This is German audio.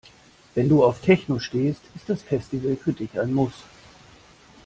Wenn du auf Techno stehst, ist das Festival für dich ein Muss.